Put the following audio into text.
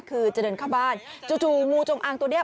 คือจะเดินเข้าบ้านจู่งูจงอางตัวนี้